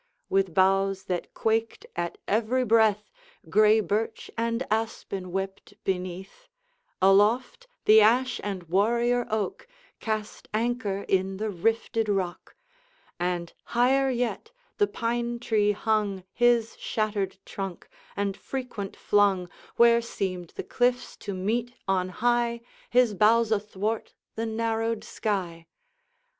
With boughs that quaked at every breath, Gray birch and aspen wept beneath; Aloft, the ash and warrior oak Cast anchor in the rifted rock; And, higher yet, the pine tree hung His shattered trunk, and frequent flung, Where seemed the cliffs to meet on high, His boughs athwart the narrowed sky.